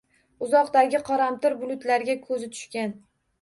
Uzoqdagi qoramtir bulutlarga ko‘zi tushgan